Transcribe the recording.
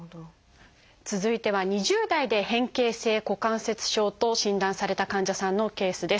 続いては２０代で変形性股関節症と診断された患者さんのケースです。